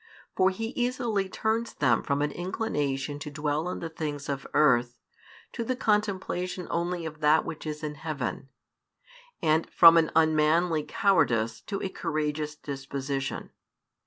For He easily turns them from an inclination to dwell on the things of earth, to the contemplation only of that which is in heaven; and from an unmanly cowardice to a courageous disposition.